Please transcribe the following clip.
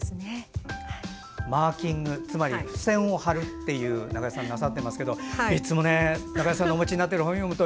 マーキングつまり付箋を貼るということを中江さんなさってますけどいつも中江さんがお持ちになってる読み物